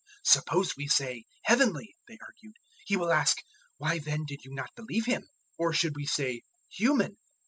"Suppose we say, 'Heavenly,'" they argued, "he will ask, 'Why then did you not believe him?' 011:032 Or should we say, 'human?'"